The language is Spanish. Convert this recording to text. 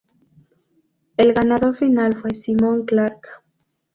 El ganador final fue Simon Clark.